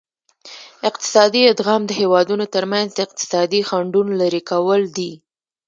اقتصادي ادغام د هیوادونو ترمنځ د اقتصادي خنډونو لرې کول دي